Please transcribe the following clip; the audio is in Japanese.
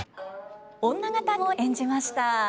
女方を演じました。